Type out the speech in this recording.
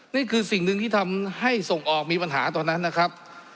นี่คือสิ่งหนึ่งที่ทำให้ส่งออกมีปัญหาตอนนั้นนะครับ